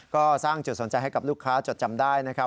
ก็สร้างจุดสนใจให้กับลูกค้าจดจำได้นะครับ